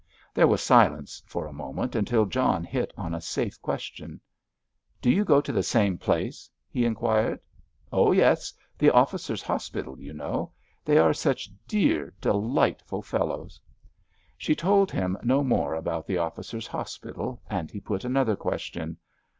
There was silence for a moment until John hit on a safe question. "Do you go to the same place?" he inquired. "Oh, yes, the Officers' Hospital, you know. They are such dear, delightful fellows." She told him no more about the Officers' Hospital, and he put another question.